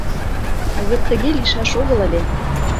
Вет тыге лийшаш огыл ыле.